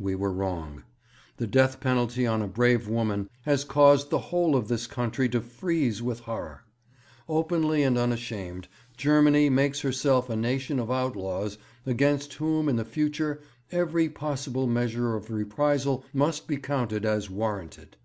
We were wrong. The death penalty on a brave woman has caused the whole of this country to freeze with horror. Openly and unashamed Germany makes herself a nation of outlaws against whom in the future every possible measure of reprisal must be counted as warranted.'